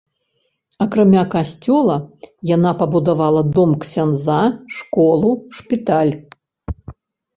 Акрамя касцёла яна пабудавала дом ксяндза, школу, шпіталь.